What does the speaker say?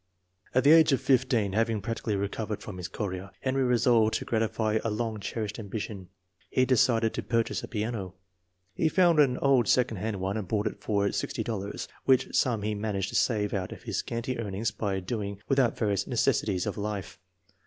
At the age of 15, having practically recovered from his chorea, Henry resolved to gratify a long cherished ambition he decided to purchase a piano. He found an old second hand one and bought it for $60.00, which sum he managed to save out of his scanty earnings by doing without various " necessities " of life.